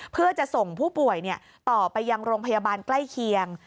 เพื่อจะส่งผู้ป่วยต่อไปยังโรงพยาบาลใกล้เคียง